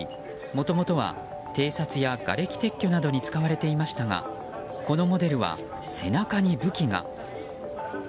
もともとは偵察やがれき撤去などに使われていましたがこのモデルは背中に武器が。